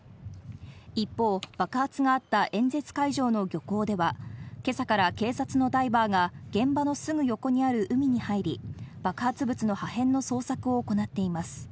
一方、爆発があった演説会場の漁港では、今朝から警察のダイバーが現場のすぐ横にある海に入り、爆発物の破片の捜索を行っています。